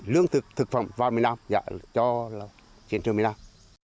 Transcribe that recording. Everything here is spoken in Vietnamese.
lương thực thực phẩm vào miền nam giả cho chiến trường miền nam